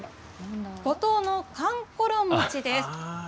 五島のかんころ餅です。